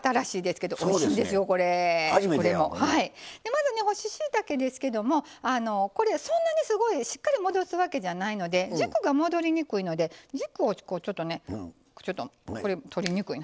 まずね干ししいたけですけどもこれそんなにすごいしっかり戻すわけじゃないので軸が戻りにくいので軸をこうちょっとねこれ取りにくいなこうしてむしります。